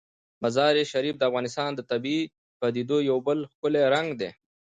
مزارشریف د افغانستان د طبیعي پدیدو یو بل ښکلی رنګ دی.